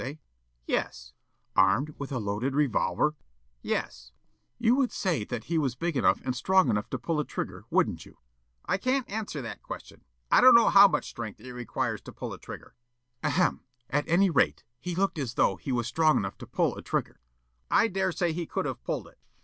Yollop: "Yes." Counsel: "Armed with a loaded revolver?" Yollop: "Yes." Counsel: "You would say that he was big enough and strong enough to pull a trigger, wouldn't you?" Yollop: "I can't answer that question. I don't know how much strength it requires to pull a trigger." Counsel: "Ahem! At any rate, he looked as though he was strong enough to pull a trigger?" Yollop: "I dare say he could have pulled it."